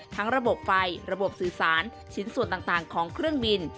ระบบไฟระบบสื่อสารชิ้นส่วนต่างของเครื่องบิน